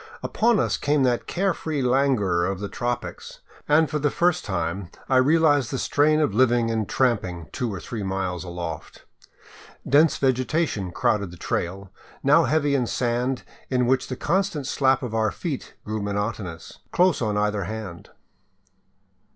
Upon us came that care free languor of the tropics, and for the first time I realized the strain of living and tramping two or three miles aloft. Dense vegetation crowded the trail, now heavy In sand in which the constant slap of our feet grew monotonous, close on either hand.